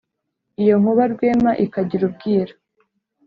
iyo nkuba rwema ikagira ubwira